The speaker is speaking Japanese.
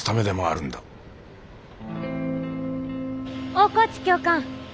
大河内教官。